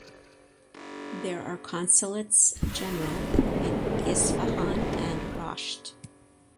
There are consulates general in Isfahan and Rasht.